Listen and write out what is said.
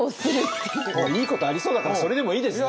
いいことありそうだからそれでもいいですね！